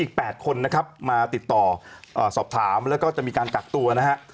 อีก๘คนนะครับมาติดต่อสอบถามแล้วก็จะมีการกักตัวนะฮะ